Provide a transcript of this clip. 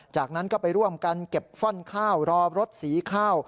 จากนั้นก็ไปร่วมกันเก็บฟ่อนข้าวรอรถสีข้าว